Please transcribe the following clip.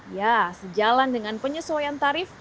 ya sejalan dengan penyesuaian tarif